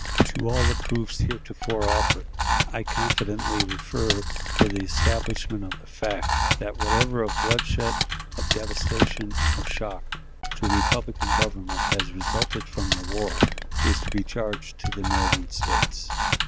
To all the proofs heretofore offered I confidently refer for the establishment of the fact that whatever of bloodshed, of devastation, or shock to republican government has resulted from the war, is to be charged to the Northern States.